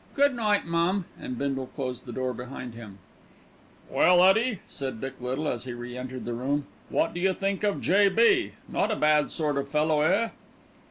"Good night, mum." And Bindle closed the door behind him. "Well, Ettie," said Dick Little, as he re entered the room, "what do you think of J. B.? Not a bad sort of fellow, eh?"